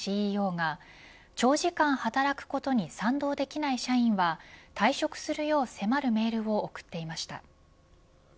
ＣＥＯが長時間働くことに賛同できない社員は退職するよう迫るメールを送っていました。